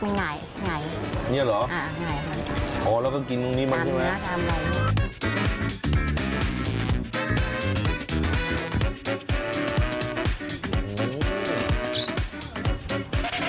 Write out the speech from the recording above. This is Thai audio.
นี่หรืออ่าไหนค่ะอ๋อแล้วก็กินตรงนี้มันอยู่ไหนอ่านี่